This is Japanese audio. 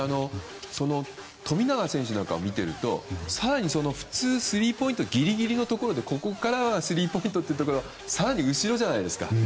富永選手なんかを見ていると更に普通スリーポイントギリギリのところでここからはスリーポイントというところの更に後ろじゃないですか。